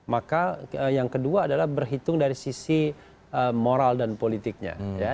maka yang kedua adalah berhitung dari sisi moral dan politiknya